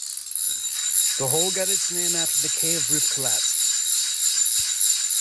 The hole got its name after the cave roof collapsed.